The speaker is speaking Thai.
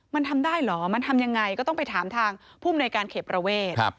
มันทำได้เหรอมันทำยังไงก็ต้องไปถามทางภูมิในการเขตประเวท